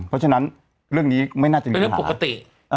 เพราะฉะนั้นเรื่องนี้ไม่น่าจะมีเรื่องปกติ